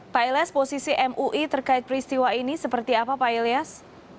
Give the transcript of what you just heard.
pak ilyas posisi mui terkait peristiwa ini seperti apa pak ilyas